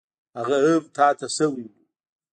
هغه هم تا ته شوی و.